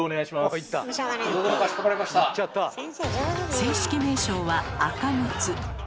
正式名称はアカムツ。